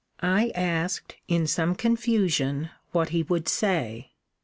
I asked, in some confusion, what he would say?